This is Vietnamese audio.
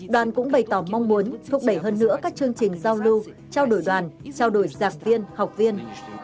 đoàn cũng bày tỏ mong muốn thúc đẩy hơn nữa các chương trình giao lưu trao đổi đoàn trao đổi giảng viên học viên